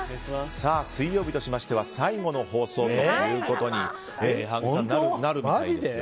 水曜日としましては最後の放送となるみたいですよ。